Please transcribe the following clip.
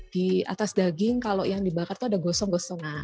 di atas daging kalau yang dibakar itu ada gosong gosongan